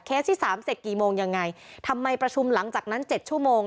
ที่สามเสร็จกี่โมงยังไงทำไมประชุมหลังจากนั้นเจ็ดชั่วโมง